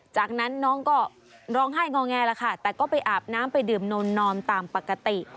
จากนั้นน้องก็ร้องไห้งอแงแล้วค่ะแต่ก็ไปอาบน้ำไปดื่มนนอมตามปกติ